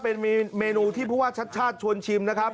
เป็นเมนูที่ผู้ว่าชัดชาติชวนชิมนะครับ